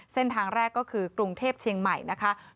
เส้นทางแรกก็คือกรุงเทพเชียงใหม่นะคะ